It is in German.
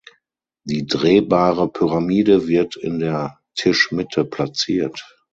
Die drehbare Pyramide wird in der Tischmitte platziert.